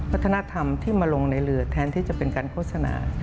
วัฒนธรรมที่มาลงในเรือแทนที่จะเป็นการโฆษณา